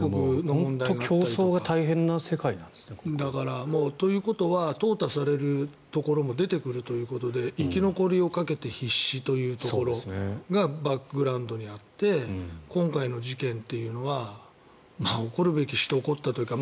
本当に競争が大変な世界なんですね。ということはとう汰されるところも出てくるということで生き残りをかけて必死ということがバックグラウンドにあって今回の事件というのは起こるべきして起こったというか